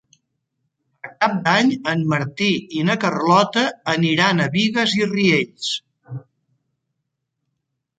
Per Cap d'Any en Martí i na Carlota aniran a Bigues i Riells.